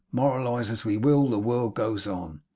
Moralise as we will, the world goes on.